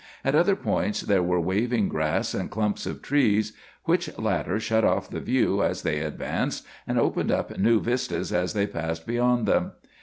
At other points there were waving grass and clumps of trees, which latter shut off the view as they advanced, and opened up new vistas as they passed beyond them.